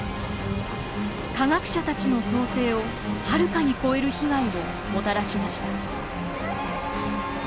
科学者たちの想定をはるかに超える被害をもたらしました。